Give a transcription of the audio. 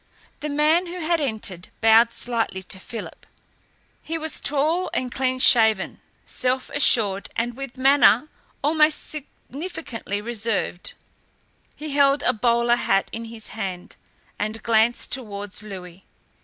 The man who had entered bowed slightly to Philip. He was tall and clean shaven, self assured, and with manner almost significantly reserved. He held a bowler hat in his hand and glanced towards Louis.